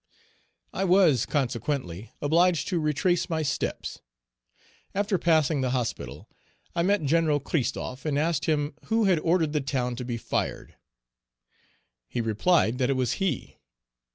I was, consequently, obliged to retrace my steps. After passing the hospital, I met Gen. Christophe, and asked him who had ordered the town to be fired. He replied that it was he.